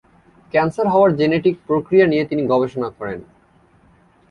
Cancer হওয়ার genetic প্রক্রিয়া নিয়ে তিনি গবেষণা করেন।